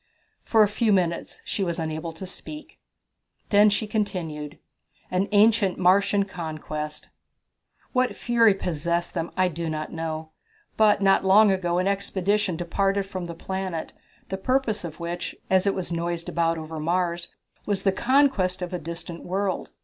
For a few minutes she was unable to speak. Then she continued: An Ancient Martian Conquest. "What fury possessed them I do not know, but not long ago an expedition departed from the planet, the purpose of which, as it was noised about over Mars, was the conquest of a distant world.